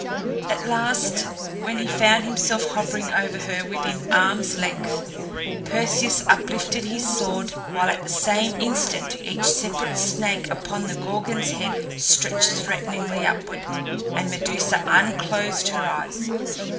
At last, when he found himself hovering over her within arm's length, Perseus uplifted his sword, while at the same instant each separate snake upon the Gorgon's head stretched threateningly upward, and Medusa unclosed her eyes.